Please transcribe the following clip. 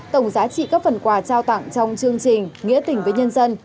tổng giá trị các phần quà trao tặng trong chương trình nghĩa tình với nhân dân